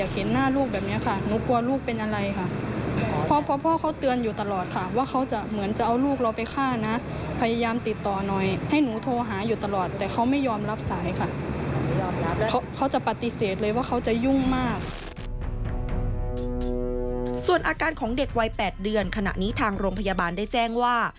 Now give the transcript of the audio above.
ส่วนอาการของเด็กวัย๘เดือนขณะนี้ทางโรงพยาบาลได้แจ้งว่า